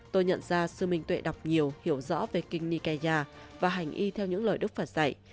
tôi nhận ra sư minh tuệ đọc nhiều hiểu rõ về kinh nikeya và hành y theo những lời đức phải dạy